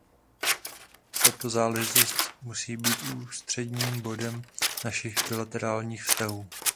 Tato záležitost musí být ústředním bodem našich bilaterálních vztahů.